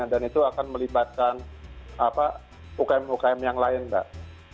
dan itu akan melibatkan ukm ukm yang lain mbak